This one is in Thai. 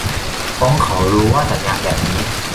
ฟ้องเขาดู ว่าสัญญาแบบนี้